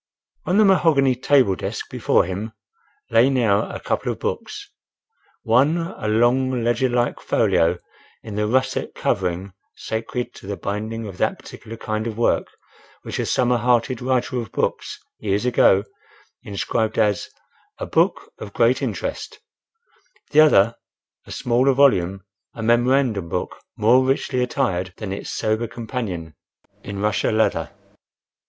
On the mahogany table desk before him lay now a couple of books: one a long, ledger like folio in the russet covering sacred to the binding of that particular kind of work which a summer hearted Writer of books years ago inscribed as "a book of great interest;" the other, a smaller volume, a memorandum book, more richly attired than its sober companion, in Russia leather.